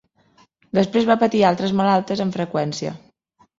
Després va patir altres malaltes amb freqüència.